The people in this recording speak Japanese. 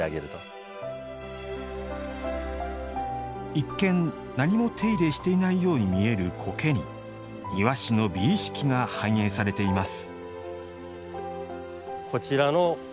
一見、何も手入れしていないように見える苔に「庭師の美意識」が反映されています。